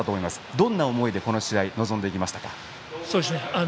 どんな思いで、この試合臨んでいきましたか？